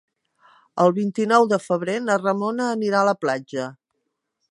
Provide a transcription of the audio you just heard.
El vint-i-nou de febrer na Ramona anirà a la platja.